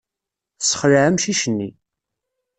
Tessexleɛ amcic-nni.